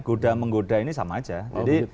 goda menggoda ini sama saja